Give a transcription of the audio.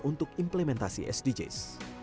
untuk implementasi sdgs